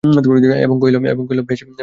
এবং কহিল, বেশ তো, ভালোই তো।